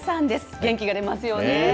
元気が出ますよね。